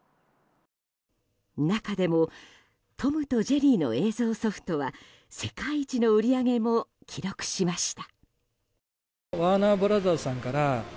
中でも「トムとジェリー」の映像ソフトは世界一の売り上げも記録しました。